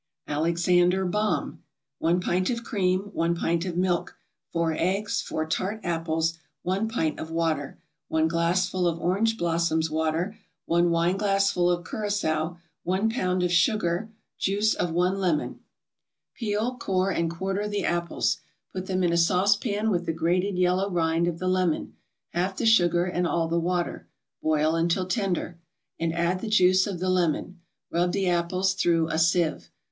ALEXANDER BOMB 1 pint of cream 1 pint of milk 4 eggs 4 tart apples 1 pint of water 1 glassful of orange blossoms water 1 wineglassful of curaçao 1 pound of sugar Juice of one lemon Peel, core and quarter the apples; put them in a saucepan with the grated yellow rind of the lemon, half the sugar and all the water; boil until tender, and add the juice of the lemon; rub the apples through a sieve.